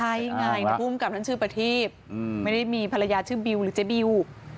ใช่ไงภูมิกับท่านชื่อประทีบไม่ได้มีภรรยาชื่อบิวหรือเจ๊บิว